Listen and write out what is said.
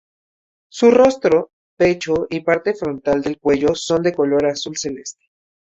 Su rostro, pecho y parte frontal del cuello son de color azul celeste.